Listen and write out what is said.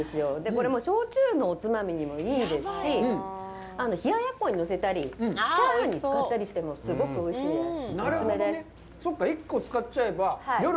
これも焼酎のおつまみにもいいですし、冷ややっこにのせたり、チャーハンに使ったりしても、すごくおいしいです。